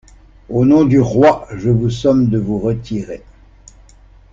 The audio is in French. Au nom du Roi, je vous somme de vous retirer!